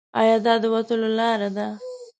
ایا دا د وتلو لار ده؟